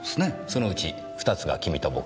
そのうち２つが君と僕。